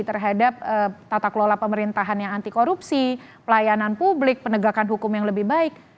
terhadap tata kelola pemerintahan yang anti korupsi pelayanan publik penegakan hukum yang lebih baik